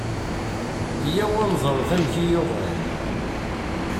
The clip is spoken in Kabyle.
Yya-w ad neẓret amek i yuɣal.